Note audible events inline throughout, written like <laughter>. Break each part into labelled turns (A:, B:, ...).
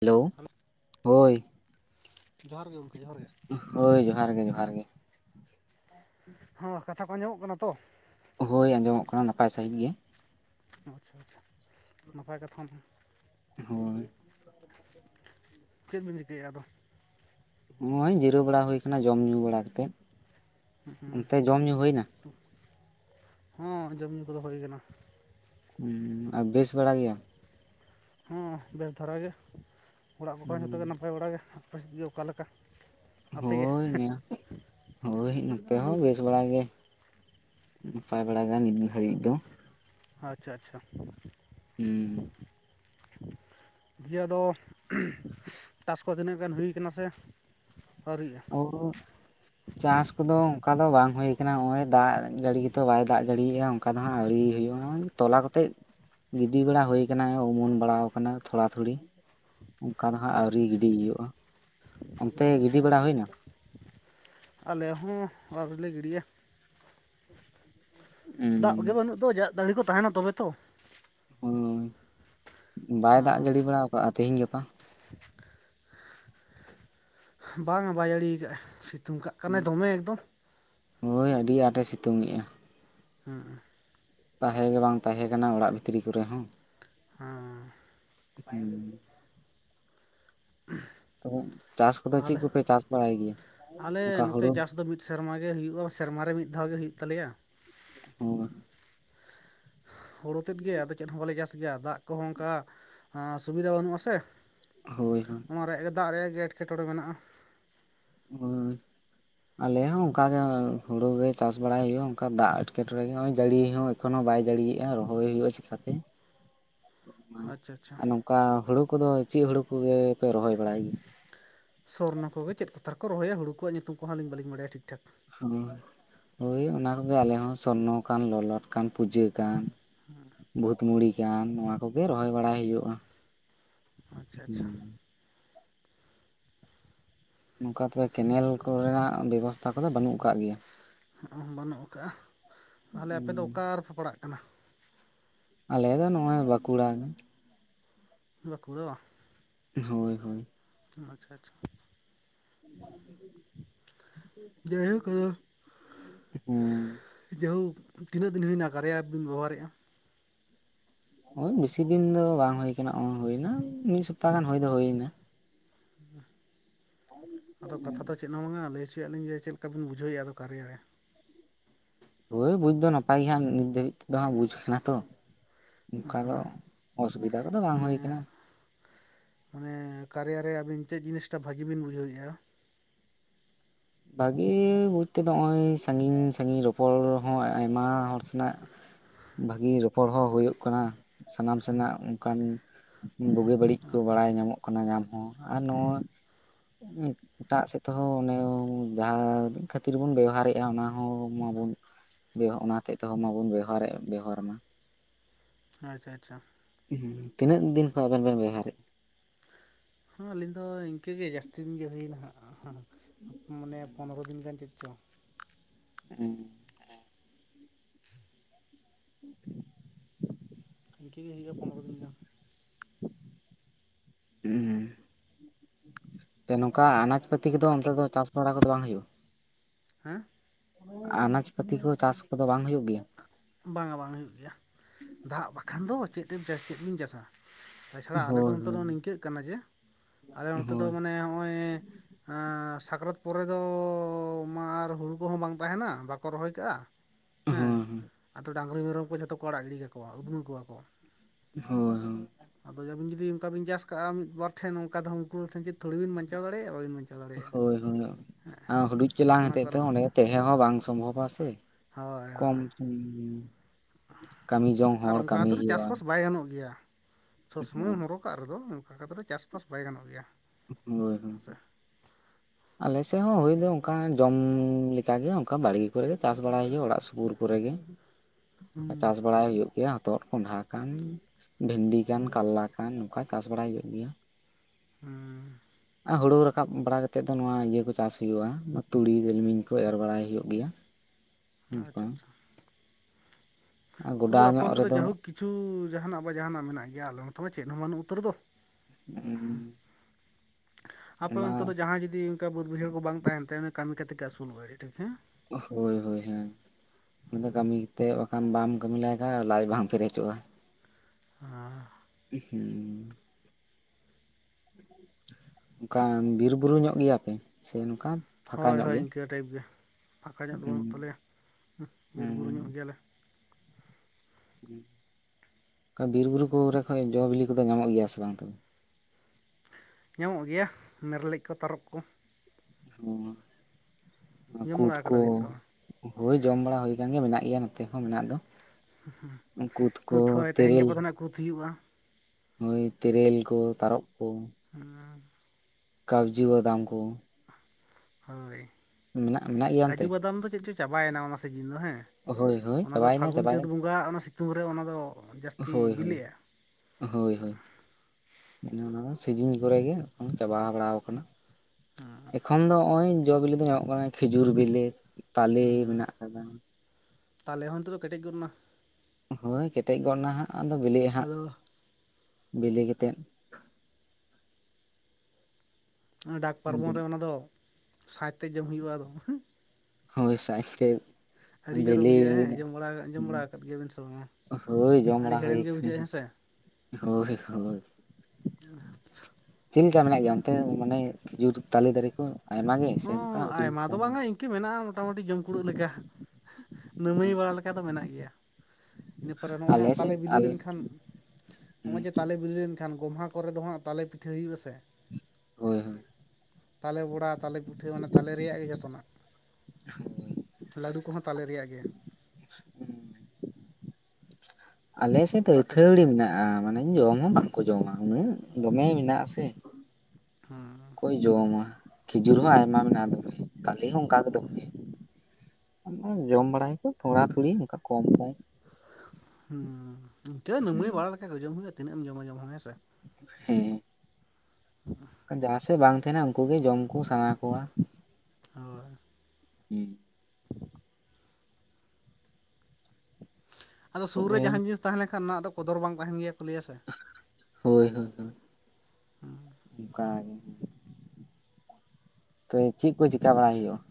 A: Hello ᱦᱳᱭ
B: ᱡᱚᱦᱟᱨ ᱜᱮ ᱜᱚᱢᱠᱮ ᱡᱚᱦᱟᱨ ᱜᱮ
A: ᱦᱳᱭ ᱡᱚᱦᱟᱨ ᱜᱮ ᱡᱚᱦᱟᱨ ᱜᱮ
B: ᱦᱮᱸ ᱠᱟᱛᱷᱟ ᱠᱚ ᱟᱸᱧᱡᱚᱢᱚᱜ ᱠᱟᱱᱟ ᱛᱚ
A: ᱦᱳᱭ ᱟᱸᱡᱚᱢᱚᱜ ᱠᱟᱱᱟ ᱱᱟᱯᱟᱭ ᱥᱺᱦᱤᱡ ᱜᱮ
B: ᱟᱪᱷᱟ ᱟᱪᱷᱟ ᱱᱟᱯᱟᱭ ᱜᱮ ᱛᱟᱦᱮᱞᱮ
A: ᱦᱩᱸ
B: ᱪᱮᱫ ᱵᱮᱱ ᱪᱤᱠᱟᱹᱭᱟ ᱟᱫᱚ
A: ᱱᱚᱚᱭᱡᱤᱨᱟᱹᱣ ᱵᱟᱲᱟ ᱦᱩᱭ ᱟᱠᱟᱱᱟ ᱡᱚᱢ ᱧᱩ ᱵᱟᱲᱟᱛᱮᱫ ᱚᱱᱛᱮ ᱡᱚᱢ ᱧᱩ ᱦᱩᱭ ᱮᱱᱟ
B: ᱦᱚᱸ ᱡᱚᱢᱼᱧᱩ ᱠᱚᱫᱚ ᱦᱩᱭ ᱠᱟᱱᱟ
A: ᱟᱨ ᱵᱮᱥ ᱵᱟᱲᱟ ᱜᱮᱭᱟ
B: ᱦᱚᱸ ᱵᱮᱥ ᱫᱷᱟᱨᱟ ᱜᱮ ᱚᱲᱟᱜ ᱠᱚᱠᱚ ᱡᱚᱛᱚᱜᱮ ᱱᱟᱯᱟᱭ ᱚᱲᱟᱜ ᱜᱮ ᱟᱯᱮ ᱥᱮᱫ ᱜᱮ ᱚᱠᱟ ᱞᱮᱠᱟ ᱟᱯᱮᱜᱮ
A: ᱦᱳᱭ ᱢᱮ ᱦᱳᱭ ᱱᱚᱛᱮ ᱦᱚᱸ ᱵᱮᱥ ᱵᱟᱲᱟ ᱜᱮ ᱱᱟᱯᱟᱭ ᱵᱟᱲᱜᱮ ᱱᱤᱛ ᱫᱷᱟᱹᱨᱤᱡ ᱫᱚ
B: ᱟᱪᱪᱷᱟ ᱟᱪᱪᱷᱟ
A: ᱦᱮᱸ
B: ᱫᱷᱤᱭᱮ ᱫᱚ ᱪᱟᱥ ᱠᱚ ᱛᱤᱱᱟᱹᱜ ᱜᱟᱱ ᱦᱩᱭ ᱠᱟᱱᱟ ᱥᱮ ᱟᱹᱣᱨᱤᱜᱼᱟ
A: ᱚ ᱪᱟᱥ ᱠᱚᱫᱚ ᱚᱱᱠᱟ ᱫᱚ ᱵᱟᱝ ᱦᱩᱭᱩ ᱟᱠᱟᱱᱟ ᱱᱚᱜ ᱚᱭ ᱫᱟᱜ ᱡᱟᱹᱲᱤ ᱜᱮᱛᱚ ᱵᱟᱭ ᱫᱟᱜ ᱡᱟᱹᱲᱤᱭᱟᱜᱼᱟ ᱚᱱᱠᱟ ᱫᱚ ᱦᱟᱸᱜ ᱟᱣᱨᱤ ᱦᱩᱭᱩᱜᱼᱟ ᱛᱚᱞᱟ ᱠᱟᱛᱮᱜ ᱜᱤᱰᱤ ᱵᱟᱲᱟ ᱦᱩᱭ ᱟᱠᱟᱱᱟ ᱚᱢᱚᱱ ᱵᱟᱲᱟ ᱟᱠᱟᱱᱟ ᱛᱷᱚᱲᱟ ᱛᱷᱩᱲᱤ ᱚᱱᱠᱟ ᱫᱚ ᱦᱟᱸᱜ
B: ᱟᱪᱪᱷᱟ
A: ᱟᱹᱣᱨᱤ
B: ᱟᱪᱪᱷᱟ
A: ᱜᱤᱰᱤ ᱦᱩᱭᱩᱜᱼᱟ ᱚᱱᱛᱮ ᱜᱤᱰᱤ ᱵᱟᱲᱟ ᱦᱩᱭ ᱮᱱᱟ
B: ᱟᱞᱮ ᱦᱚᱸ ᱟᱹᱣᱨᱤᱞᱮ ᱜᱤᱰᱤᱭᱟ
A: ᱦᱮᱸ <unintelligible>
B: ᱫᱟᱜ ᱜᱮ ᱵᱟᱹᱱᱩᱜ ᱫᱚ ᱫᱟᱜ ᱡᱟᱹᱲᱮ ᱠᱚ ᱛᱟᱦᱮᱱᱟ ᱛᱚᱵᱮ ᱛᱚ
A: ᱦᱳᱭ ᱵᱟᱭ ᱫᱟᱜ ᱡᱟᱹᱲᱤ ᱵᱟᱲᱟ ᱠᱟᱜᱼᱟ ᱛᱤᱦᱤᱧ ᱜᱟᱯᱟ
B: ᱵᱟᱝ ᱵᱟᱭ ᱟᱲᱤᱭᱟ ᱠᱟᱜᱼᱟ ᱥᱤᱛᱩᱝ ᱠᱟᱜ ᱠᱟᱱᱟᱭ ᱫᱚᱢᱮ ᱮᱠᱫᱚᱢ
A: ᱦᱳᱭ ᱟᱹᱰᱤ ᱟᱸᱴᱮ ᱥᱤᱛᱩᱝ ᱮᱼᱟ
B: ᱦᱮᱸ
A: ᱛᱟᱦᱮᱸ ᱜᱮ ᱵᱟᱝ ᱛᱟᱦᱮᱸ ᱠᱟᱱᱟ ᱚᱲᱟᱜ ᱵᱷᱤᱛᱨᱤ ᱠᱚᱨᱮ ᱦᱚᱸ
B: ᱦᱸ <unintelligible>
A: ᱦ <unintelligible> ᱛᱚ ᱪᱟᱥ ᱠᱚᱫᱚ ᱪᱮᱫ
B: ᱛᱟᱦᱚᱞᱮ
A: ᱠᱚᱯᱮ ᱪᱟᱥ ᱵᱟᱲᱟᱭ ᱜᱮᱭᱟ
B: ᱟᱞᱮ
A: ᱚᱱᱠᱟ
B: ᱱᱚᱛᱮ
A: ᱦᱳᱲᱳ
B: ᱪᱟᱥ ᱫᱚ ᱢᱤᱫ ᱥᱮᱨᱢᱟ ᱜᱮ ᱦᱩᱭᱩᱜᱼᱟ ᱥᱮᱨᱢᱟᱨᱮ ᱢᱤᱫ ᱫᱷᱟᱣ ᱜᱮ ᱦᱩᱭᱩᱜ ᱛᱟᱞᱮᱭᱟ
A: ᱦᱳ
B: ᱦᱳᱲᱩ ᱛᱮᱫ ᱜᱮ ᱟᱫᱚ ᱪᱮᱫ ᱦᱚᱸ ᱵᱟᱞᱮ ᱪᱟᱥ ᱜᱮᱭᱟ ᱫᱟᱜ ᱠᱚᱦᱚᱸ ᱚᱱᱠᱟ ᱥᱩᱵᱤᱫᱷᱟ ᱵᱟᱹᱱᱩᱜ ᱟᱥᱮ
A: ᱦᱳᱭ
B: ᱚᱱᱟ ᱨᱮᱭᱟᱜ ᱫᱟᱜ ᱨᱮᱭᱟᱜ ᱮᱴᱠᱮᱴᱚᱬᱮ ᱢᱮᱱᱟᱜᱼᱟ
A: ᱦᱳᱭ ᱟᱞᱮ ᱦᱚᱸ ᱚᱱᱠᱟᱟᱜ ᱜᱮ ᱦᱩᱲᱩ ᱜᱮ ᱪᱟᱥ ᱵᱟᱲ ᱦᱳᱭᱳᱼᱟ ᱚᱱᱠᱟ ᱫᱟᱜ ᱮᱴᱠᱮᱴᱚᱬᱮ ᱜᱮ ᱱᱚᱜᱚᱭ ᱡᱟᱹᱲᱤ ᱦᱚᱸ ᱮᱠᱷᱚᱱ ᱦᱚᱸ ᱵᱟᱭ ᱡᱟᱹᱲᱮᱭᱟᱜᱼᱟ ᱨᱚᱦᱚᱭ ᱦᱩᱭᱩᱜᱼᱟ ᱪᱮᱠᱟᱛᱮ᱾
B: ᱟᱪᱷᱟ ᱟᱪᱷᱟ
A: ᱚᱱᱠᱟ ᱦᱩᱲᱩ ᱠᱚᱫᱚ ᱪᱮᱫ ᱦᱩᱲᱩ ᱠᱚᱜᱮᱯᱮ ᱨᱚᱦᱚᱭ ᱵᱟᱲᱟᱭ ᱜᱮᱭᱟ
B: ᱥᱚᱨᱱᱚ ᱠᱚᱜᱮ ᱪᱮᱫ ᱠᱚᱛᱷᱟ ᱨᱮᱠᱚ ᱨᱚᱦᱚᱭᱟ ᱦᱩᱲᱩ ᱠᱚᱣᱟᱜ ᱧᱩᱛᱩᱢ ᱠᱚᱦᱚᱸ ᱟᱹᱞᱤᱧ ᱵᱟᱹᱞᱤᱧ ᱵᱟᱲᱟᱭᱟ ᱴᱷᱤᱠ ᱴᱷᱟᱠ
A: ᱦᱳᱭ ᱚᱱᱟ ᱠᱚᱜᱮ ᱟᱞᱮ ᱦᱚᱸ ᱥᱚᱨᱱᱚ ᱠᱟᱱ ᱞᱚᱞᱟᱴ ᱠᱟᱱ ᱯᱩᱡᱟᱹ ᱠᱟᱱ ᱵᱷᱩᱛᱢᱩᱲᱤ ᱠᱟᱱ ᱱᱚᱣᱟ ᱠᱚᱜᱮ ᱨᱚᱦᱚᱭ ᱵᱟᱲᱟᱭ ᱦᱩᱭᱩᱜᱼᱟ
B: ᱟᱪᱪᱷᱟ ᱟᱪᱪᱷᱟ
A: ᱦᱮᱸ <unintelligible> ᱱᱚᱝᱠᱟ ᱛᱚᱵᱮ ᱠᱮᱱᱮᱞ ᱠᱚᱨᱮᱱᱟᱜ ᱵᱮᱵᱚᱥᱛᱷᱟ ᱠᱚᱫᱚ ᱵᱟᱹᱱᱩᱜ ᱟᱠᱟᱫ ᱜᱮᱭᱟ
B: ᱦᱚᱸᱜᱼ ᱵᱟᱹᱱᱩᱜ ᱟᱠᱟᱫᱼᱟ ᱛᱟᱦᱚᱞᱮ ᱟᱯᱮᱫᱚ ᱚᱠᱟᱨᱮ ᱯᱮ ᱯᱲᱟᱜ ᱠᱟᱱᱟ
A: ᱟᱞᱮ ᱫᱚ ᱱᱚᱜᱼᱚᱭ ᱵᱟᱸᱠᱩᱲᱟ
B: ᱵᱟᱸᱠᱩᱲᱟ ᱵᱟᱝ
A: ᱦᱳᱭ ᱦᱳᱭ
B: ᱟᱪᱷᱟ ᱟᱪᱷᱟ ᱡᱟᱭᱦᱳᱠ ᱟᱫᱚ
A: ᱦᱩᱸ
B: ᱡᱮᱭ ᱦᱳᱠ ᱛᱤᱱᱟᱹᱜ ᱫᱤᱱ ᱦᱩᱭᱱᱟ ᱠᱟᱨᱭᱟ ᱮᱯ ᱵᱤᱱ ᱵᱮᱵᱚᱦᱟᱨᱮᱜᱼᱟ
A: ᱳᱭ ᱵᱮᱥᱤ ᱫᱤᱱ ᱫᱚ ᱵᱟᱝ ᱦᱩᱭ ᱟᱠᱟᱱᱟ ᱦᱩᱭᱱᱟ ᱢᱤᱫ ᱥᱟᱯᱛᱟ ᱜᱟᱱ ᱦᱩᱭ ᱫᱚ ᱦᱩᱭ ᱮᱱᱟ
B: ᱟᱫᱚ ᱠᱟᱛᱷᱟ ᱫᱚ ᱪᱮᱫ? ᱚᱱᱟ ᱵᱟᱝ ᱞᱟᱹᱭ ᱚᱪᱚᱭᱮᱫ ᱞᱤᱧ ᱪᱮᱫ ᱞᱮᱠᱟ ᱵᱤᱱ ᱵᱩᱡᱷᱟᱹᱣᱮᱫᱼᱟ ᱠᱟᱨᱭᱟ ᱨᱮ
A: ᱦᱳᱭ ᱵᱩᱡ ᱫᱚ ᱱᱟᱯᱟᱭ ᱜᱮ ᱦᱟᱸᱜ ᱱᱤᱛ ᱫᱷᱟᱹᱵᱤᱡ ᱛᱮᱫᱚ ᱦᱟᱸᱜ ᱵᱩᱡᱷ ᱠᱟᱱᱟ ᱛᱚ ᱚᱱᱠᱟ ᱫᱚ ᱚᱥᱩᱵᱤᱫᱟ ᱠᱚᱫᱚ ᱵᱟᱝ ᱦᱩᱭ
B: ᱢᱟᱱᱮ
A: ᱟᱠᱟᱱᱟ
B: ᱢᱟᱱᱮ ᱠᱟᱨᱤᱭᱟ ᱨᱮ ᱟᱹᱵᱤᱱ ᱪᱮᱫ ᱡᱤᱱᱤᱥᱴᱟ ᱵᱷᱟᱹᱜᱤ ᱵᱤᱱ ᱵᱩᱡᱷᱟᱹᱣᱮᱫᱼᱟ?
A: ᱵᱷᱟᱹᱜᱮ ᱵᱩᱡᱽᱛᱮᱚ ᱱᱚᱜ ᱚᱭ ᱥᱟᱺᱜᱤᱧ ᱥᱟᱺᱜᱤᱧ ᱨᱚᱯᱚᱲ ᱦᱚᱸᱚᱸ ᱟᱭᱢᱟ ᱦᱚᱲ ᱥᱟᱱᱟᱜ ᱵᱷᱟᱹᱜᱤ ᱨᱚᱯᱚᱲ ᱦᱚᱸ ᱦᱳᱭᱳᱜ ᱠᱟᱱᱟ ᱥᱟᱱᱟᱢ ᱥᱮᱱᱟᱜ ᱚᱱᱠᱟᱱ ᱵᱩᱜᱤ ᱵᱟᱹᱲᱤᱡ ᱠᱚ ᱵᱟᱲᱟᱭ ᱧᱟᱢᱚᱜ ᱠᱟᱱᱟ ᱧᱟᱢ ᱦᱚᱸ ᱟᱨ ᱱᱚᱣᱟ ᱫᱟᱜ ᱥᱮᱫ ᱛᱮᱦᱚᱸ ᱚᱱᱮ ᱡᱟᱦᱟᱸ ᱠᱷᱟᱹᱛᱤᱨ ᱵᱚᱱ ᱵᱮᱣᱦᱟᱨᱮᱫᱼᱟ ᱚᱱᱟᱦ ᱢᱟᱵᱚᱱ ᱚᱱᱟ ᱦᱚᱛᱮᱫ ᱦᱚᱸ ᱢᱟᱵᱚᱱ ᱵᱮᱣᱦᱟᱨ ᱮᱫ ᱵᱮᱣᱦᱟᱨ ᱢᱟ
B: ᱦᱮᱸ ᱟᱪᱷᱟ ᱟᱪᱷᱟ
A: ᱦᱮᱸ ᱛᱤᱱᱟᱹᱜ ᱫᱤᱱ ᱠᱷᱚᱱ ᱟᱵᱮᱱ ᱵᱮᱱ ᱵᱮᱣᱦᱟᱨᱮᱫᱼᱟ
B: ᱦᱮᱸ ᱟᱹᱞᱤᱧ ᱫᱚ ᱤᱱᱠᱟᱹᱜᱮ ᱡᱟᱹᱥᱛᱤ ᱫᱤᱱ ᱜᱮ ᱦᱩᱭᱱᱟ ᱦᱟᱸᱜ ᱢᱟᱱᱮ ᱯᱚᱱᱨᱚ ᱫᱤᱱ ᱜᱟᱱ ᱪᱮᱫ ᱪᱚᱝ
A: ᱦᱮᱸ
B: ᱤᱱᱠᱟᱹ ᱜᱮ ᱦᱩᱭᱩᱜᱼᱟ ᱯᱚᱱᱨᱚ ᱫᱤᱱ ᱜᱟᱱ
A: ᱦᱮᱸ ᱱᱚᱝᱠᱟ ᱟᱱᱟᱡᱽ ᱯᱟᱹᱛᱤ ᱠᱚ ᱫᱚ ᱚᱱᱛᱮ ᱫᱚ ᱪᱟᱥ ᱵᱟᱲᱟ ᱠᱚ ᱫᱚ ᱵᱟᱝ ᱦᱳᱭᱳᱜᱼᱟ
B: ᱦᱮᱸ
A: ᱟᱱᱟᱡᱽ ᱯᱟᱹᱛᱤ ᱠᱚ ᱪᱟᱥ ᱠᱚᱫᱚ ᱵᱟᱝ ᱦᱩᱭᱩᱜ ᱜᱮᱭᱟ
B: ᱵᱟᱝᱟ ᱵᱟᱝ ᱦᱩᱭᱩᱜ ᱜᱮᱭᱟ ᱫᱟᱜ ᱵᱟᱠᱷᱟᱱ ᱫᱚ ᱪᱮᱫ ᱪᱟᱥ ᱪᱮᱫ ᱵᱤᱱ ᱪᱟᱥᱟ ᱛᱟ ᱪᱷᱟᱲᱟ ᱟᱞᱮᱚ
A: ᱦᱳᱭ
B: ᱱᱚᱛᱮ ᱫᱚ
A: ᱦᱳᱭ
B: ᱱᱤᱝᱠᱟᱹᱜ ᱠᱟᱱᱟ ᱡᱮ ᱟᱞᱮ ᱱᱚᱛᱮ ᱫᱚ
A: ᱦᱳᱭ
B: ᱢᱟᱱᱮ ᱦᱚᱸᱜᱼᱚᱸᱭ ᱥᱟᱠᱨᱟᱛ ᱯᱚᱨᱮ ᱫᱚ ᱢᱟ ᱦᱩᱲᱩ ᱠᱚᱦᱚᱸ ᱵᱟᱝ ᱛᱟᱦᱮᱱᱟ ᱵᱟᱠᱚ ᱨᱚᱦᱚᱭ ᱠᱟᱜᱼᱟ᱾ ᱦᱮᱸ
A: ᱦᱳᱭ
B: ᱟᱫᱚ ᱰᱟᱹᱝᱜᱽᱨᱤ ᱢᱮᱨᱚᱢ ᱠᱚ ᱡᱚᱛᱚ ᱠᱚ ᱟᱲᱟᱜ ᱜᱤᱰᱤ ᱠᱟᱠᱚᱣᱟ ᱩᱰᱩᱝ ᱠᱚᱣᱟ ᱠᱚ
A: ᱦᱳᱭ ᱦᱳᱭ
B: ᱟᱫᱚ ᱟᱹᱵᱤᱱ ᱡᱩᱫᱤ ᱚᱱᱠᱟ ᱵᱤᱱ ᱪᱟᱥ ᱠᱟᱜᱼᱟ ᱢᱤᱫ ᱵᱟᱨ ᱴᱷ ᱚᱱᱠᱟ ᱫᱚ ᱦᱚᱸ ᱩᱱᱠᱩ ᱴᱷᱮᱱ ᱪ ᱛᱷᱚᱲᱤ ᱵᱤᱱ ᱵᱟᱧᱪᱟᱣ ᱫᱟᱲᱮᱭᱟᱜᱼᱟ ᱵᱟᱵᱤᱱ ᱵᱟᱧᱪᱟ
A: ᱦᱳᱭ ᱦᱳᱭ ᱦᱩᱰᱩᱡ ᱪᱮᱞᱟᱝ
B: ᱚᱱᱟ
A: ᱦᱚᱛᱮᱫ ᱛᱮ
B: ᱠᱚᱨᱮᱱᱟᱜ
A: ᱚᱸᱰᱮ ᱛᱟᱦᱮᱸ ᱦᱚᱸ ᱵᱟᱝ ᱥᱚᱢᱵᱷᱚᱵ ᱥᱮ
B: ᱦᱳᱭ
A: ᱠᱚᱢ
B: ᱦᱳᱭ
A: ᱠᱟᱹᱢᱤ ᱡᱚᱝ
B: ᱟᱨ
A: ᱦᱚᱲ
B: ᱚᱱᱠᱟ
A: ᱠᱟᱹᱢᱤ
B: ᱛᱨᱩ
A: ᱦᱩᱭᱩᱜᱼᱟ
B: ᱪᱟᱥᱼᱵᱟᱥ ᱵᱟᱭ ᱜᱟᱱᱚᱜ ᱜᱮᱭᱟ᱾ ᱥᱚᱵᱽ ᱥᱚᱢᱚᱭᱮᱢ
A: ᱦᱳᱭ
B: ᱦᱚᱨᱚᱜ ᱠᱟᱜ ᱨᱮᱫᱚ ᱚᱱᱠᱟ ᱠᱟᱛᱮᱫ ᱪᱟᱥ ᱵᱟᱥ ᱵᱟᱭ ᱜᱟᱱᱚᱜ ᱜᱮᱭᱟ
A: ᱦᱳᱭ ᱦᱳᱭ
B: ᱦᱮᱸᱥᱮ <inaudible>
A: ᱟᱞᱮ ᱥᱮᱜ ᱦᱚᱸ ᱦᱳᱭ ᱫᱚ ᱚᱱᱠᱟ ᱡᱚᱢ ᱞᱮᱠᱟ ᱜᱮ ᱚᱱᱠᱟ ᱵᱟᱲᱜᱮ ᱠᱚᱨᱮ ᱜᱮ ᱪᱟᱥ ᱵᱟᱲᱟᱭ ᱦᱩᱭᱩᱜᱼᱟ ᱚᱲᱟᱜ ᱥᱩᱯᱩᱨ ᱠᱚᱨᱮ ᱜᱮ
B: <inaudible>
A: ᱪᱟᱥ ᱵᱟᱲᱟᱭ ᱦᱩᱭᱩᱜ ᱜᱮᱭᱟ ᱦᱚᱛᱚᱫ ᱠᱚᱸᱰᱷᱟ ᱠᱟᱱ ᱵᱷᱤᱱᱰᱤ ᱠᱟᱱ ᱠᱟᱞᱞᱟ ᱠᱟᱱ ᱮᱠᱷᱟᱱ ᱱᱚᱝᱠᱟ ᱪᱟᱥ ᱵᱟᱲᱟᱭ ᱦᱩᱭᱩᱜ ᱜᱮᱭᱟ
B: ᱦᱩᱸ
A: ᱟᱨ ᱦᱩᱲᱩ ᱨᱟᱠᱟᱵ ᱵᱟᱲᱟ ᱠᱟᱛᱮᱫ ᱫᱚ ᱱᱚᱣᱟ ᱤᱭᱟᱹ ᱠᱚ ᱪᱟᱥ ᱦᱩᱭᱩᱜᱼᱟ ᱛᱩᱲᱤ ᱛᱤᱞᱢᱤᱧ ᱠᱚ ᱮᱨ ᱵᱟᱲᱟᱭ ᱦᱩᱭᱩᱜ ᱜᱮᱭᱟ ᱚᱱᱠᱟ
B: ᱟᱪᱪᱷᱟ ᱟᱪᱪᱷᱟ
A: ᱟᱨ
B: ᱛᱚᱵᱩ
A: ᱜᱚᱰᱟ
B: ᱟᱯᱮ
A: ᱧᱚᱜ
B: ᱚᱱᱛᱮ ᱨᱮ
A: ᱨᱮᱫᱚ
B: ᱡᱟᱭᱦᱳᱠ ᱠᱤᱪᱷᱩ ᱡᱟᱦᱟᱱᱟᱜ ᱵᱟ ᱡᱟᱦᱟᱱᱟᱜ ᱢᱮᱱᱟᱜ ᱜᱮᱭᱟ ᱟᱞᱮ ᱱᱚᱛᱮ ᱢᱟ ᱪᱮᱫ ᱦᱚᱸ ᱵᱟᱹᱱᱩᱜ ᱩᱛᱟᱹᱨ ᱫᱚ ᱟᱯᱮ
A: ᱚᱱᱟ
B: ᱚᱱᱛᱮ ᱫᱚ ᱡᱟᱦᱟᱸᱭ ᱡᱩᱫᱤ ᱡᱟᱦᱟᱭ ᱵᱟᱹᱫ ᱵᱟᱹᱭᱦᱟᱹᱲ ᱠᱚ ᱵᱟᱝ ᱛᱟᱦᱮᱱ ᱛᱟᱭ ᱩᱱᱤ ᱠᱟᱹᱢᱤ ᱠᱟᱛᱮᱜ ᱜᱮ ᱟᱹᱥᱩᱞᱚᱜ-ᱟᱭ ᱟᱹᱰᱤ ᱴᱷᱤᱠ ᱜᱮ
A: ᱦᱳᱭ ᱦᱳᱭ ᱦᱮᱸ ᱚᱱᱟ ᱫᱚ ᱠᱟᱹᱢᱤ ᱛᱮ ᱵᱟᱠᱷᱟᱱ ᱵᱟᱢ ᱠᱟᱹᱢᱤ ᱞᱟᱭ ᱠᱷᱟᱡ ᱞᱟᱡ ᱵᱟᱝ ᱯᱮᱨᱮᱡᱚᱜ-ᱟ
B: ᱚᱸ
A: ᱦᱩᱸ ᱚᱱᱠᱟ ᱵᱤᱨ ᱵᱩᱨᱩ ᱧᱚᱜ ᱜᱮᱭᱟᱯᱮ ᱥᱮ ᱱᱚᱝᱠᱟ ᱯᱷᱟᱸᱠᱟ
B: ᱦᱳᱭ
A: ᱧᱚᱜ
B: ᱦᱳᱭ
A: ᱜᱮ
B: ᱤᱱᱠᱟᱹ ᱴᱟᱭᱤᱯ ᱜᱮ ᱯᱷᱟᱸᱠᱟ ᱧᱚᱜ ᱫᱚ ᱵᱟᱹᱱᱩᱜ
A: ᱦᱩᱸ
B: ᱛᱟᱞᱮᱭᱟ ᱵᱤᱨ ᱵᱩᱨᱩ ᱧᱚᱜ
A: ᱦᱩᱸ
B: ᱜᱮᱭᱟᱞᱮ
A: ᱵᱤᱨ ᱵᱩᱨᱩ ᱠᱚᱨᱮ ᱠᱷᱚᱡ ᱡᱚ ᱵᱤᱞᱤ ᱠᱚᱫᱚ ᱧᱟᱢᱚᱜ ᱜᱮᱭᱟ ᱥᱮ ᱵᱟᱝ ᱛᱚᱵᱮ
B: ᱧᱟᱢᱚᱜ ᱜᱮᱭᱟ ᱢᱮᱨᱞᱮᱡ ᱠᱚ ᱛᱟᱨᱚᱵ ᱠᱚ
A: ᱚᱣᱟᱸ
B: ᱡᱚᱢ
A: ᱠᱩᱫ
B: ᱵᱟᱲᱟ
A: ᱠᱚ
B: ᱠᱟᱫᱟᱵᱤᱱ ᱥᱮ ᱵᱟᱝ
A: ᱦᱳᱭ ᱡᱚᱢ ᱵᱟᱲᱟ ᱦᱩᱭ ᱟᱠᱟᱱ ᱜᱮᱭᱟ ᱢᱮᱱᱟᱜ ᱜᱮᱭᱟ ᱱᱚᱛᱮ ᱦᱚᱸ ᱢᱮᱱᱟᱜ ᱫᱚ ᱠᱩᱫ ᱠᱚ ᱛᱮᱨᱮᱞ
B: ᱠᱚᱫ ᱦᱩᱭᱩᱜᱼᱟ
A: ᱦᱳᱭ ᱛᱮᱨᱮᱞ ᱠᱚ ᱛᱟᱨᱚᱵ ᱠᱚ
B: <unintelligible>
A: ᱠᱟᱵᱽᱡᱤ ᱵᱟᱫᱟᱢ ᱠᱚ
B: ᱦᱳᱭ
A: ᱢᱮᱱᱟᱜ ᱢᱮᱱᱟᱜ ᱜᱮᱭᱟ ᱚᱱᱛᱮ?
B: ᱠᱟᱹᱡᱩ ᱵᱟᱫᱟᱢ ᱫᱚ ᱪᱮᱫ ᱪᱚᱝ ᱪᱟᱵᱟᱭ ᱱᱟ ᱚᱱᱟ ᱥᱤᱡᱤᱱ ᱫᱚ ᱦᱮᱸ
A: ᱦᱳᱭ ᱦᱳᱭ
B: ᱚᱱᱟ ᱫᱚ
A: ᱪᱟᱵᱟᱭᱮᱱᱟ
B: ᱯᱷᱟᱹᱜᱩᱱ ᱪᱟᱹᱛ
A: ᱪᱟᱵᱟᱭᱮᱱᱟ
B: ᱵᱚᱸᱜᱟ ᱚᱱᱟ ᱥᱤᱛᱩᱝ ᱨᱮ ᱚᱱᱟ ᱫᱚ ᱡᱟᱹᱥᱛᱤ
A: ᱦᱳᱭ ᱦᱳᱭ
B: ᱵᱤᱞᱤᱜᱼᱟ
A: ᱦᱳᱭ ᱦᱳᱭ ᱚᱱᱟ ᱢᱟ ᱥᱤᱡᱤᱱ ᱠᱚᱨᱮ ᱜᱮ ᱪᱟᱵᱟ ᱵᱟᱲᱟᱣ ᱟᱠᱟᱱᱟ
B: <unintelligible>
A: <unintelligible> ᱫᱚ ᱱᱚᱜᱼᱚᱭ ᱡᱚ ᱵᱮᱞᱮ ᱫᱚ ᱧᱟᱢᱚᱜ ᱠᱟᱱᱟ ᱠᱷᱤᱡᱩᱨ ᱵᱮᱞᱮ ᱛᱟᱞᱮ ᱢᱮᱱᱟᱜ ᱟᱠᱟᱫᱟ
B: ᱛᱟᱞᱮ ᱦᱚᱸ ᱱᱤᱛᱚᱜ ᱫᱚ ᱠᱮᱴᱮᱡ ᱜᱚᱫ ᱮᱱᱟ
A: ᱦᱳᱭ ᱠᱮᱴᱮᱡ ᱜᱚᱫᱱᱟ ᱦᱟᱸᱜ ᱟᱫᱚ ᱵᱮᱞᱮᱜᱼᱟ ᱦᱟᱸᱜ
B: ᱟᱫᱚ
A: ᱵᱮᱞᱮ ᱠᱟᱛᱮᱫ
B: ᱰᱟᱠ ᱯᱟᱨᱵᱚᱱ ᱨᱮ
A: ᱦᱳᱭ
B: ᱚᱱᱟ ᱫᱚ ᱥᱟᱡᱛᱮᱫ ᱡᱚᱢ ᱦᱩᱭᱩᱜᱼᱟ ᱟᱫᱚ
A: ᱦᱳᱭ ᱥᱟᱡᱛᱮᱫ
B: ᱟᱹᱰᱤ ᱪᱚᱨᱚᱠ ᱵᱩᱡᱷᱟᱹᱜᱼᱟ ᱦᱮᱸ ᱡᱚᱢ ᱵᱟᱲᱟ ᱡᱚᱢ ᱵᱟᱲᱟ ᱟᱠᱟᱫ ᱜᱮᱭᱟ ᱵᱤᱱ ᱥᱮ ᱵᱟᱝ-ᱟ
A: ᱦᱳᱭ ᱡᱚᱢ
B: ᱟᱹᱰᱤ
A: ᱵᱟᱲᱟ ᱦᱳᱭ
B: ᱦᱮᱲᱮᱢ ᱜᱮ
A: ᱟᱠᱟᱱ
B: ᱵᱩᱡᱷᱟᱹᱜᱼᱟ ᱦᱮᱸ
A: ᱜᱮᱭᱟ
B: ᱥᱮ
A: ᱦᱳᱭ ᱦᱳᱭ ᱪᱮᱞᱠᱟ ᱢᱮᱱᱟᱜ ᱜᱮᱭᱟ ᱚᱱᱛᱮ ᱢᱟᱱᱮ ᱠᱷᱤᱡᱩᱨ ᱛᱟᱞᱮ ᱫᱟᱨᱮ ᱠᱚ ᱟᱭᱢᱟ ᱜᱮ ᱥᱮ ᱱᱚᱝᱠᱟ
B: ᱦᱚᱸ
A: ᱦᱩᱰᱤᱧ
B: ᱟᱭᱢᱟ
A: ᱠᱚ
B: ᱫᱚ ᱵᱟᱝ-ᱟ ᱤᱱᱠᱟᱹ ᱢᱮᱱᱟᱜᱼᱟ ᱢᱳᱴᱟ ᱢᱩᱴᱤ ᱡᱚᱢ ᱠᱩᱲᱟᱹᱜ ᱞᱮᱠᱟ ᱱᱟᱹᱢᱟᱹᱭ ᱵᱟᱲᱟ ᱞᱮᱠᱟ ᱫᱚ ᱢᱮᱱᱟᱜ ᱜᱮᱭᱟ ᱤᱱᱟᱹ ᱯᱚᱨᱮ ᱱᱚᱜᱼᱚᱭ
A: ᱟᱞᱮ
B: ᱦᱟᱸᱜ ᱛᱟᱞᱮ
A: ᱥᱮᱫ
B: ᱵᱮᱞᱮ
A: ᱟᱞᱮ
B: ᱞᱮᱱᱠᱷᱟᱱ ᱱᱚᱜᱼᱚᱭ ᱡᱮ ᱛᱟᱞᱮ ᱵᱮᱞᱮ ᱞᱮᱱ ᱠᱷᱟᱱ ᱜᱚᱢᱦᱟ ᱠᱚ ᱨᱮ ᱫᱚ ᱦᱟᱸᱜ ᱛᱟᱞᱮ ᱯᱤᱴᱷᱟᱹ ᱦᱳᱭᱳᱜᱼᱟ ᱥᱮ
A: ᱦᱳᱭ ᱦᱳᱭ
B: ᱛᱟᱞᱮ ᱵᱚᱰᱟᱛ ᱛᱟᱞᱮ ᱯᱤᱴᱷᱟᱹ ᱢᱟᱱᱮ ᱛᱟᱞᱮ ᱨᱮᱭᱟᱜ ᱜᱮ ᱡᱚᱛᱚᱱᱟᱜ ᱞᱟᱹᱰᱩ ᱠᱚᱦᱚᱸ ᱛᱟᱞᱮ ᱨᱮᱭᱟᱜ ᱜᱮ
A: ᱟᱞᱮ ᱥᱮᱫ ᱫᱚ
B: ᱫᱟᱠᱟ
A: ᱟᱹᱛᱷᱟᱹᱲᱤ ᱢᱮᱱᱟᱜ-ᱟ ᱢᱟᱱᱮ ᱡᱚᱢ ᱦᱚᱸ ᱵᱟᱝ ᱠᱚ ᱡᱚᱢᱟ ᱩᱱᱟᱹᱜ ᱫᱚᱢᱮ ᱢᱮᱱᱟᱜ-ᱟ ᱥᱮ
B: ᱦᱩᱸ
A: ᱡᱚᱢᱟ ᱠᱷᱤᱡᱩᱨ ᱦᱚᱸ ᱟᱭᱢᱟ ᱢᱮᱱᱟᱜᱼᱟ ᱫᱚᱢᱮ ᱛᱟᱞᱮ ᱦᱚᱸ ᱚᱱᱠᱟ ᱜᱮ ᱫᱚᱢᱮ ᱡᱚᱢ ᱵᱟᱲᱟᱭ ᱟᱠᱚ ᱛᱷᱚᱲᱟ ᱛᱷᱩᱲᱤ ᱚᱝᱠᱟ ᱠᱚᱢ ᱠᱚᱢ
B: ᱦᱩᱸ ᱤᱱᱠᱟᱹ ᱱᱟᱹᱢᱟᱹᱭ ᱵᱟᱲᱟ ᱞᱮᱠᱟ ᱠᱚ ᱡᱚᱢ ᱦᱳᱭᱳᱜᱼᱟ ᱛᱤᱱᱟᱹᱜ ᱮᱢ ᱡᱚᱢᱟ ᱡᱚᱢ ᱦᱚᱸ ᱦᱮᱸ ᱥᱮ
A: ᱦᱮᱸ ᱡᱟᱸᱦᱟ ᱥᱮᱫ ᱵᱟᱝ ᱛᱟᱦᱮᱱᱟ ᱩᱱᱠᱩ ᱜᱮ ᱡᱚᱢ ᱠᱚ ᱥᱟᱱᱟ ᱠᱚᱣᱟ
B: ᱦᱳᱭ
A: ᱦᱩᱸ
B: ᱟᱫᱚ ᱥᱩᱨ ᱨᱮ
A: ᱛᱚᱵᱮ
B: ᱡᱟᱦᱟᱸ ᱡᱤᱱᱤᱥ ᱛᱟᱦᱮᱸ ᱞᱮᱱᱠᱷᱟᱱ ᱚᱱᱟ ᱫᱚ ᱠᱚᱫᱚᱨ ᱵᱟᱝ ᱛᱟᱦᱮᱱ ᱜᱮᱭᱟ ᱠᱚ ᱞᱟᱹᱭᱼᱟ ᱥᱮ
A: ᱦᱳᱭ ᱦᱳᱭ ᱦᱳᱭ ᱚᱝᱠᱟ ᱜᱮ ᱛᱚ ᱪᱤᱜ ᱠᱚ ᱪᱮᱠᱟ ᱵᱟᱲᱟᱭ ᱦᱳᱭᱳᱜᱼᱟ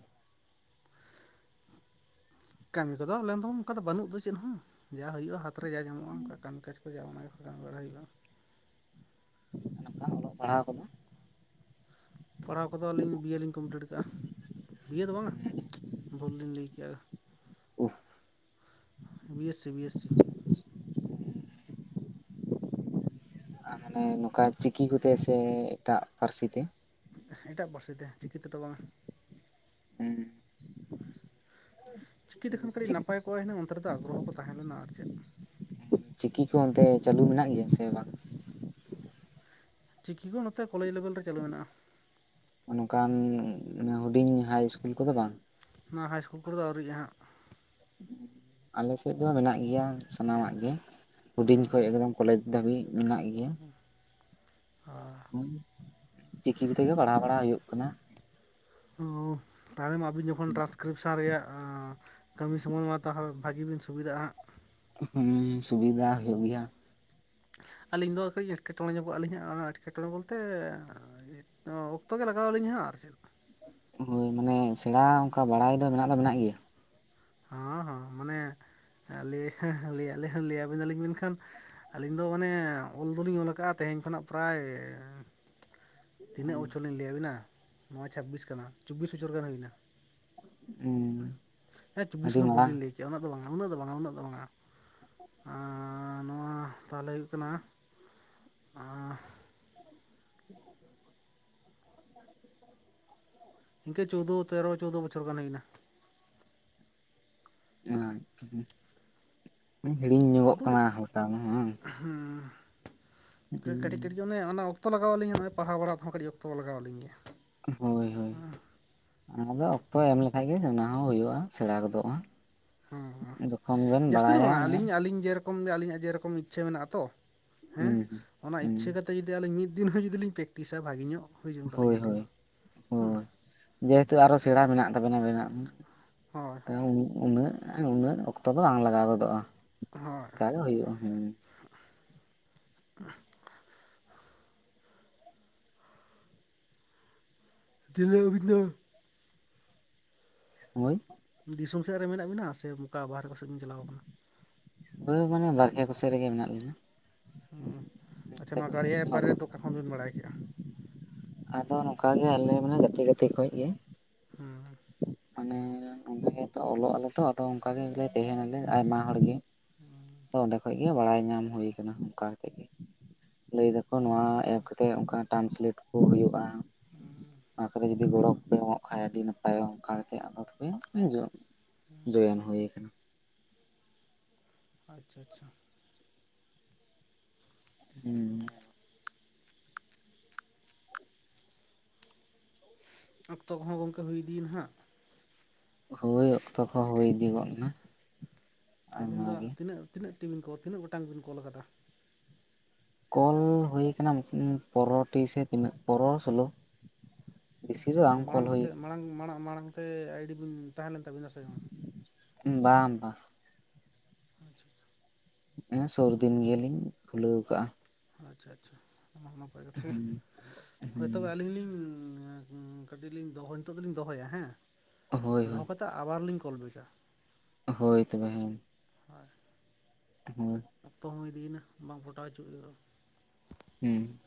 B: ᱠᱟᱹᱢᱤ ᱠᱚᱫᱚ ᱟᱞᱮ <unintelligible> ᱫᱚ ᱚᱱᱠᱟ ᱫᱚ ᱵᱟᱹᱱᱩᱜ ᱫᱚ ᱪᱮᱫ ᱦᱚᱸ ᱡᱟ ᱦᱩᱭᱩᱜᱼᱟ ᱦᱟᱛ ᱨᱮ ᱡᱟ ᱧᱟᱢᱚᱜᱼᱟ ᱚᱝᱠᱟ ᱠᱟᱹᱢᱤ ᱠᱟᱡᱽ ᱠᱚ <unintelligible> <unintelligible> ᱵᱟᱲᱟᱭ ᱦᱳᱭᱳᱜᱼᱟ
A: <unintelligible> ᱚᱞᱚᱜ ᱯᱟᱲᱦᱟᱣ ᱠᱚᱫᱚ
B: ᱯᱟᱲᱦᱟᱣ ᱠᱚᱫᱚ ᱟᱹᱞᱤᱧ ᱵᱤᱭᱮ ᱞᱤᱧ ᱠᱚᱢᱯᱞᱤᱴ ᱠᱟᱜᱼᱟ ᱵᱤᱭᱮ ᱫᱚ ᱵᱟᱝᱼᱟ ᱵᱷᱩᱞ ᱞᱤᱧ ᱞᱟᱹᱭ ᱠᱮᱜᱼᱟ
A: <unintelligible>
B: B yes C B yes ᱥᱤ
A: <inaudible> ᱢᱟᱱᱮ ᱱᱚᱝᱠᱟ ᱪᱤᱠᱤ ᱠᱚ ᱛᱮ ᱥᱮ ᱮᱴᱟᱜ ᱯᱟᱹᱨᱥᱤ ᱛᱮ
B: ᱮᱴᱟᱜ ᱯᱟᱹᱨᱥᱤ ᱛᱮ ᱪᱤᱠᱤ ᱛᱮ ᱫᱚ ᱵᱟᱝᱼᱟ
A: <unintelligible>
B: ᱪᱤᱠᱤ ᱛᱮ ᱠᱷᱟᱱ ᱠᱟᱹᱴᱤᱡ ᱱᱟᱯᱟᱭ ᱠᱚᱜᱼᱟ ᱦᱤᱱᱟᱹᱝ ᱚᱱᱛᱮ ᱨᱮ ᱫᱚ ᱟᱜᱽᱨᱚ ᱦᱚᱸ ᱠᱚ ᱛᱟᱦᱮᱸ ᱞᱮᱱᱟ ᱟᱨ ᱪᱮᱫ
A: ᱪᱤᱠᱤ ᱠᱚ ᱚᱱᱛᱮ ᱪᱟᱹᱞᱩ ᱢᱮᱱᱟᱜ ᱜᱮᱭᱟ ᱥᱮ ᱵᱟᱝ
B: ᱪᱤᱠᱤ ᱠᱚ ᱱᱚᱛᱮ ᱠᱚᱞᱮᱡᱽ ᱞᱮᱵᱮᱞ ᱨᱮ ᱪᱟᱹᱞᱩ ᱢᱮᱱᱟᱜᱼᱟ
A: ᱚᱝᱠᱟᱱ ᱦᱩᱰᱤᱧ ᱦᱟᱭ ᱤᱥᱠᱩᱞ ᱠᱚᱫᱚ ᱵᱟᱝ
B: ᱱᱚᱣᱟ ᱦᱟᱭ ᱤᱥᱠᱩᱞ ᱠᱚᱨᱮ ᱫᱚ ᱟᱹᱣᱨᱤᱭ-ᱟ ᱦᱟᱸᱜ
A: ᱟᱞᱮ ᱥᱮᱡ ᱫᱚ ᱢᱮᱱᱟᱜ ᱜᱮᱭᱟ ᱥᱟᱱᱟᱢᱟᱜ ᱜᱮ ᱦᱩᱰᱤᱧ ᱠᱷᱚᱡ ᱮᱠᱫᱚᱢ ᱠᱚᱞᱮᱡᱽ ᱫᱷᱟᱹᱵᱤᱡ ᱢᱮᱱᱟᱜ ᱜᱮᱭᱟ
B: <unintelligible>
A: ᱪᱤᱠᱤ ᱠᱚᱛᱮ ᱜᱮ ᱯᱟᱲᱦᱟᱣ ᱵᱟᱲᱟ ᱦᱩᱭᱩᱜ ᱠᱟᱱᱟ
B: ᱚ ᱛᱟᱦᱚᱞᱮ ᱢᱟ ᱟᱵᱤᱱ ᱡᱚᱠᱷᱚᱱ ᱴᱨᱟᱱᱥ ᱠᱨᱤᱯᱥᱚᱱ ᱨᱮᱭᱟᱜ ᱠᱟᱹᱢᱤ ᱥᱚᱢᱚᱭ ᱢᱟ ᱛᱟᱦᱚᱞᱮ ᱵᱷᱟᱹᱜᱤ ᱵᱤᱱ ᱥᱩᱵᱤᱫᱷᱟᱜᱼᱟ ᱦᱟᱸᱜ
A: ᱦᱩᱸ ᱥᱩᱵᱤᱫᱷᱟ ᱦᱩᱭᱩᱜ ᱜᱮᱭᱟ
B: ᱟᱹᱞᱤᱧ ᱫᱚ ᱠᱟᱹᱡ ᱮᱴᱠᱮᱴᱚᱸᱬᱮ ᱧᱚᱜᱚᱜᱼᱟ ᱞᱤᱧ ᱦᱟᱜ ᱚᱱᱟ ᱮᱴᱠᱮᱴᱚᱸᱬᱮ ᱵᱚᱞᱛᱮ ᱚᱠᱛᱚ ᱜᱮ ᱞᱟᱜᱟᱣ ᱟᱹᱞᱤᱧᱟ ᱦᱟᱸᱜ ᱟᱨ ᱪᱮᱫ
A: ᱦᱳᱭ ᱢᱟᱱᱮ ᱥᱮᱬᱟ ᱚᱱᱠᱟ ᱵᱟᱲᱟᱭ ᱫᱚ ᱢᱮᱱᱟᱜ ᱫᱚ ᱢᱮᱱᱟᱜ ᱜᱮᱭᱟ
B: ᱦᱚᱸ ᱦᱚᱸ ᱢᱟᱱᱮ ᱞᱟᱹᱭ ᱞᱟᱹᱭᱟ ᱵᱤᱱᱟᱞᱤᱧ ᱢᱮᱱᱠᱷᱟᱱ ᱟᱹᱞᱤᱧ ᱫᱚ ᱢᱟᱱᱮ ᱚᱞ ᱫᱚ ᱞᱤᱧ ᱚᱞ ᱠᱟᱜᱼᱟ ᱛᱮᱦᱮᱧ ᱠᱷᱚᱱᱟᱜ ᱯᱨᱟᱭ ᱛᱤᱱᱟᱹᱜ ᱵᱚᱪᱷᱚᱨ ᱞᱤᱧ ᱞᱟᱹᱭᱟᱵᱤᱱᱟ ᱱᱚᱣᱟ ᱪᱷᱟᱵᱤᱥ ᱠᱟᱱᱟ ᱪᱚᱵᱽᱵᱤᱥ ᱵᱚᱪᱷᱚᱨ ᱜᱟᱱ ᱦᱩᱭᱱᱟ
A: ᱦᱩᱸ
B: ᱦᱮᱸ ᱪᱚᱵᱵᱤᱥ
A: ᱟᱹᱰᱤ
B: ᱢᱚ
A: ᱢᱟᱨᱟᱝ
B: ᱵᱷᱩᱞᱤᱧ ᱞᱟᱹᱭ ᱠᱮᱫᱼᱟ ᱩᱱᱟᱹᱜ ᱫᱚ ᱵᱟᱝ ᱩᱱᱟᱹᱜ ᱫᱚ ᱵᱟᱝ ᱩᱱᱟᱹᱜ ᱫᱚ ᱵᱟᱝᱟ ᱱᱚᱣᱟ ᱛᱟᱦᱚᱞᱮ ᱦᱩᱭᱩᱜ ᱠᱟᱱᱟ <unintelligible> ᱤᱱᱠᱟᱹ ᱪᱳᱣᱫᱳ ᱛᱮᱨᱚ ᱪᱳᱣᱫᱳ ᱵᱚᱪᱚᱨ ᱜᱟᱱ ᱦᱩᱭ ᱮᱱᱟ
A: ᱟᱪᱷᱟ ᱦᱤᱲᱤᱧ ᱧᱚᱜᱚᱜ ᱠᱟᱱᱟ ᱦᱟᱞᱠᱟ ᱫᱚ ᱵᱟᱝ
B: ᱦᱩᱸ ᱠᱟᱹᱴᱤᱡ ᱠᱟᱹᱴᱤᱡ <unintelligible> ᱢᱟᱱᱮ ᱚᱠᱛᱚ ᱞᱟᱜᱟᱣ ᱟᱹᱤᱧᱟ ᱱᱚᱜᱼᱚᱭ ᱯᱟᱲᱟᱣ ᱵᱟᱲᱟ ᱛᱮᱦᱚ ᱠᱟᱹᱤᱡ ᱚᱠᱛᱚ ᱞᱟᱜᱟᱣ ᱟᱹᱞᱤᱧ ᱜᱮᱭᱟ
A: ᱦᱳᱭ ᱦᱳᱭ ᱟᱫᱚ ᱚᱠᱛᱚ ᱮᱢ ᱞᱮᱠᱷᱟᱡ ᱜᱮ ᱚᱱᱟ ᱦᱚᱸ ᱦᱩᱭᱩᱜᱼᱟ ᱥᱮᱬᱟ ᱜᱚᱫᱚᱜᱼᱟ
B: ᱦᱩᱸ ᱦᱩᱸ
A: ᱡᱚᱠᱷᱚᱱ ᱵᱮᱱ
B: ᱡᱟᱹᱥᱛᱤ ᱫᱚ
A: ᱵᱟᱲᱟᱭᱟ
B: ᱵᱟᱝᱟ
A: ᱢᱟᱱᱮ
B: ᱟᱹᱞᱤᱧ ᱟᱞᱤᱧ ᱡᱮᱨᱚᱠᱚᱢ ᱟᱹᱞᱤᱧᱟᱜ ᱡᱮ ᱨᱚᱠᱚᱢ ᱤᱪᱪᱷᱟᱹ ᱢᱮᱱᱟᱜ ᱛᱚ ᱦᱮᱸ
A: ᱦᱩᱸ
B: ᱚᱱᱟ
A: ᱦᱩᱸ
B: ᱤᱪᱪᱷᱟᱹ ᱠᱟᱛᱮ ᱡᱩᱫᱤ ᱟᱹᱞᱤᱧ ᱢᱤᱫ ᱫᱤᱱ ᱦᱚᱸ ᱡᱩᱫᱤ ᱞᱤᱧ ᱯᱮᱠᱴᱤᱥᱟ ᱵᱷᱟᱜᱤ ᱧᱚᱜ ᱦᱩᱭ ᱡᱚᱝ
A: ᱦᱳᱭ
B: ᱛᱟᱞᱤᱧᱟ ᱟᱹᱞᱤᱧ
A: ᱦᱳᱭ
B: ᱫᱚ ᱦᱩᱸ
A: ᱦᱳᱭ ᱡᱮᱦᱮᱛᱩ ᱟᱨᱚ ᱥᱮᱬᱟ ᱢᱮᱱᱟᱜ ᱛᱟᱵᱮᱱᱟ ᱵᱮᱱᱟᱜ
B: ᱦᱳᱭ ᱦᱳᱭ ᱦᱳᱭ
A: ᱩᱱᱟᱹᱜ ᱩᱱᱟᱹᱜ ᱚᱠᱛᱚ ᱫᱚ ᱵᱟᱝ ᱞᱟᱜᱟᱣ ᱜᱚᱫᱚᱜᱼᱟ
B: ᱦᱩᱸ
A: ᱛᱟᱦᱚᱞᱮ ᱦᱩᱭᱩᱜᱼᱟ ᱦᱮᱸ
B: <unintelligible> ᱛᱤᱱᱟᱝ ᱟᱵᱤᱱ ᱫᱚ
A: ᱦᱚᱭ
B: ᱫᱤᱥᱚᱢ ᱥᱮᱫ ᱨᱮ ᱢᱮᱱᱟᱜ ᱵᱤᱱᱟ ᱥᱮ ᱚᱱᱠᱟ ᱵᱟᱦᱨᱮ ᱠᱚ ᱥᱮᱫ ᱵᱤᱱ ᱪᱟᱞᱟᱣ ᱟᱠᱟᱱᱟ?
A: ᱦᱚᱭ ᱢᱟᱱᱮ ᱵᱟᱨᱦᱮ ᱠᱚᱥᱮᱫ ᱨᱮᱜᱮ ᱢᱮᱱᱟᱜ ᱞᱤᱧᱟ ᱾
B: ᱟᱪᱪᱷᱟ ᱱᱚᱣᱟ ᱠᱟᱨᱭᱟ ᱮᱯ
A: ᱜᱮ
B: ᱵᱟᱨᱮ ᱫᱚ ᱚᱠᱟ ᱠᱷᱚᱱ ᱵᱤᱱ ᱵᱟᱲᱟᱭ ᱠᱮᱫᱼᱟ?
A: ᱟᱫᱚ ᱱᱚᱝᱠᱟ ᱜᱮ ᱟᱞᱮ ᱢᱟᱱᱮ ᱜᱟᱛᱮ ᱜᱟᱛᱮ ᱠᱷᱚᱡ ᱜᱮ ᱾
B: ᱦᱩᱸ
A: ᱢᱟᱱᱮ ᱚᱸᱰᱮ ᱜᱮᱛᱚ ᱚᱞᱚᱜ ᱟᱞᱮ ᱛᱚ ᱟᱫᱚ ᱚᱱᱠᱟ ᱜᱮ ᱛᱟᱦᱮᱸᱱᱟᱞᱮ ᱟᱭᱢᱟ ᱦᱚᱲ ᱜᱮ ᱟᱫᱚ ᱚᱰᱮ ᱠᱷᱚᱡ ᱵᱟᱲᱟᱭ ᱧᱟᱢ ᱦᱩᱭ ᱟᱠᱟᱱᱟ ᱚᱱᱠᱟ ᱠᱟᱛᱮ ᱜᱮ ᱞᱟᱹᱭ ᱫᱟᱠᱚ ᱱᱚᱣᱟ
B: ᱟᱪᱪᱷᱟ
A: ᱮᱯ
B: ᱟᱪᱪᱷᱟ
A: ᱠᱟᱛᱮ ᱴᱨᱟᱱᱥᱞᱮᱴ ᱠᱚ ᱦᱩᱭᱩᱜᱼᱟ <inaudible> ᱚᱱᱟ ᱠᱚᱨᱮ ᱡᱩᱫᱤ ᱜᱚᱲᱚ ᱠᱚᱯᱮ ᱮᱢᱚᱜ ᱠᱷᱟᱱ ᱟᱹᱰᱤ ᱱᱟᱯᱟᱭ ᱚᱜᱼᱟ ᱟᱫᱚ ᱛᱚᱵᱮ ᱡᱚᱭᱮᱱ ᱦᱩᱭᱩ ᱟᱠᱟᱱᱟ ᱾
B: ᱟᱪᱪᱷᱟ ᱟᱪᱪᱷᱟ
A: ᱦᱩᱸ
B: ᱚᱠᱛᱚ ᱠᱚᱦᱚᱸ ᱜᱚᱝᱠᱮ ᱦᱩᱭ ᱤᱫᱤ ᱮᱱᱟ ᱱᱟᱦᱟᱜ ᱾
A: ᱦᱩᱭ ᱚᱠᱛᱚ ᱠᱚᱦᱚ ᱦᱩᱭ ᱤᱫᱤ ᱜᱚᱫ ᱮᱱᱟ ᱾
B: ᱟᱹᱵᱤᱱ ᱫᱚ ᱛᱤᱱᱟᱹᱜ ᱛᱤᱱᱟᱹᱜ ᱴᱤ ᱠᱚᱞ ᱛᱤᱱᱟᱹᱜ ᱜᱚᱴᱟᱝ ᱵᱤᱱ ᱠᱚᱞ ᱟᱠᱟᱫᱟ?
A: ᱠᱚᱞ ᱦᱩᱭ ᱟᱠᱟᱱᱟ ᱯᱚᱸᱫᱽᱨᱚ ᱴᱤ ᱥᱮ ᱛᱤᱱᱟᱹᱜ ᱯᱚᱸᱫᱽᱨᱚ ᱥᱳᱞᱳ᱾ ᱵᱮᱥᱤ
B: ᱟᱪᱪᱷᱟ
A: ᱫᱚ
B: ᱟᱪᱪᱷᱟ
A: ᱵᱟᱝ
B: ᱢᱟᱲᱟᱝ
A: ᱠᱚᱞ ᱦᱩᱭ
B: ᱠᱚᱛᱮ ᱢᱟᱲᱟᱝ ᱢᱟᱲᱟᱝ ᱢᱟᱲᱟᱝ ᱛᱮ ᱟᱭᱰᱤ ᱵᱤᱱ ᱛᱟᱦᱮᱸ ᱞᱮᱱ ᱛᱟᱵᱤᱱᱟ ᱥᱮ ᱵᱟᱝ?
A: ᱵᱟᱝ ᱵᱟᱝ ᱥᱩᱨ ᱫᱤᱱ ᱜᱮᱞᱤᱧ ᱠᱷᱩᱞᱟᱹᱣ ᱟᱠᱟᱜᱼᱟ ᱾
B: ᱟᱪᱪᱷᱟ ᱟᱪᱪᱷᱟ ᱚᱱᱟ ᱱᱟᱯᱟᱭ ᱠᱟᱛᱷᱟ ᱜᱮ
A: ᱦᱩᱸ
B: ᱦᱳᱭ ᱛᱚᱵᱮ
A: ᱦᱩᱸ
B: ᱟᱹᱞᱤᱧ ᱞᱤᱧ ᱠᱟᱹᱴᱤᱡ ᱞᱤᱧ ᱫᱚᱦᱚ ᱱᱤᱛᱚᱜ ᱫᱚᱞᱤᱧ ᱫᱚᱦᱚᱭᱟ ᱦᱮᱸ
A: ᱦᱳᱭ ᱦᱳᱭ
B: ᱫᱚᱦᱚ ᱠᱟᱛᱮ ᱟᱵᱟᱨ ᱞᱤᱧ ᱠᱚᱞᱵᱮᱠᱟ ᱾
A: ᱦᱚᱭ ᱛᱚᱵᱮ ᱦᱮᱸ ᱾
B: ᱦᱳᱭ
A: <unintelligible>
B: ᱚᱠᱛᱚ ᱦᱚᱸ ᱤᱫᱤᱭᱮᱱᱟ ᱵᱟᱝ ᱯᱷᱚᱴᱟᱣ ᱦᱚᱪᱚᱜ ᱦᱩᱭᱩᱜᱚ ᱾
A: ᱦᱩᱸ